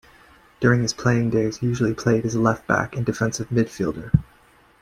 During his playing days, he usually played as a left back and defensive midfielder.